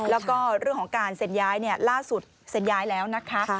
แล้วก็เรื่องของการเซ็นย้ายล่าสุดเซ็นย้ายแล้วนะคะ